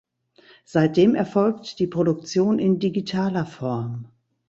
Seitdem erfolgt die Produktion in digitaler Form.